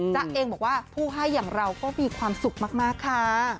เองบอกว่าผู้ให้อย่างเราก็มีความสุขมากค่ะ